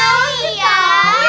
ambilkan punya kita